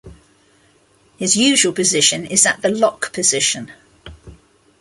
His usual position is at the Lock position.